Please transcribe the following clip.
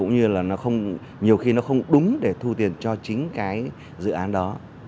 nhiều khi nó không đúng để thu tiền cho chính cái dự án đó